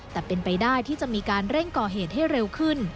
แต่เป็นไปได้ที่จะมีการเร่งก่อเหตุให้เร็วขึ้น